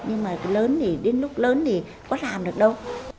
nhưng mà cái lớn thì đến lúc lớn thì có làm được đâu